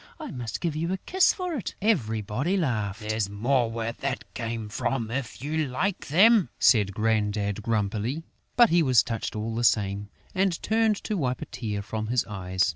I must give you a kiss for it!..." Everybody laughed. "There's more where that came from, if you like them!" said Grandad, grumpily. But he was touched, all the same, and turned to wipe a tear from his eyes.